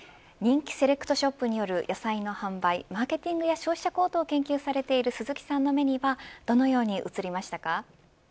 人気セレクトショップによる野菜の販売マーケティングや消費者行動を研究されている鈴木さんの目にはどのように移りましたか。